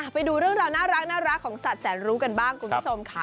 ไปดูเรื่องราวน่ารักของสัตว์แสนรู้กันบ้างคุณผู้ชมค่ะ